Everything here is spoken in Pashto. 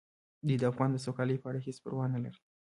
دوی د افغان د سوکالۍ په اړه هیڅ پروا نه لري.